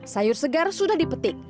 sayur segar sudah dipetik